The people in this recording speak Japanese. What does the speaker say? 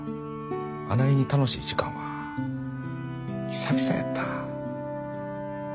あないに楽しい時間は久々やった。